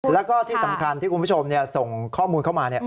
แล้วก็ที่สำคัญที่คุณผู้ชมส่งข้อมูลเข้ามา